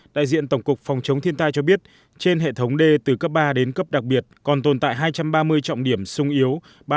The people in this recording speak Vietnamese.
đại diện tổng cục phòng chống thiên tai cho biết trên hệ thống đê từ cấp ba đến cấp đặc biệt còn tồn tại hai trăm ba mươi trọng điểm sung yếu